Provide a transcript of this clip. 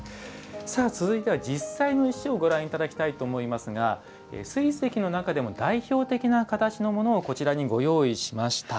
続いては実際の石をご覧いただきたいと思いますが水石の中でも代表的な形のものをご用意しました。